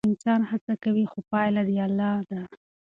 انسان هڅه کوي خو پایله د الله ده.